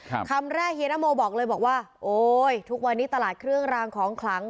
คำแรกเฮียนโมบอกเลยบอกว่าโอ้ยทุกวันนี้ตลาดเครื่องรางของขลัง